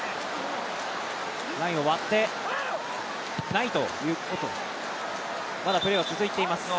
ラインを割っていないということ、まだプレーが続いています